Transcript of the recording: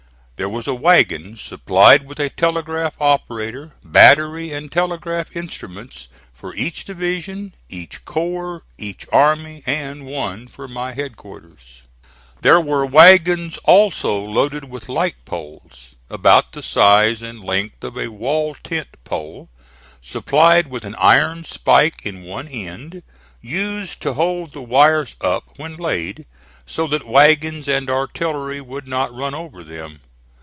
There was a wagon, supplied with a telegraph operator, battery and telegraph instruments for each division, each corps, each army, and one for my headquarters. There were wagons also loaded with light poles, about the size and length of a wall tent pole, supplied with an iron spike in one end, used to hold the wires up when laid, so that wagons and artillery would not run over them.